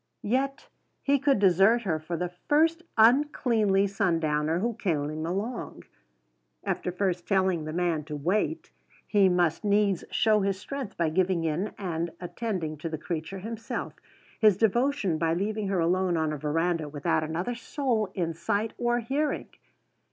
Yet he could desert her for the first uncleanly sundowner who came along! After first telling the man to wait, he must needs show his strength by giving in and attending to the creature himself, his devotion by leaving her alone on a verandah without another soul in sight or hearing!